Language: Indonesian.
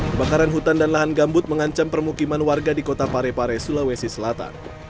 kebakaran hutan dan lahan gambut mengancam permukiman warga di kota parepare sulawesi selatan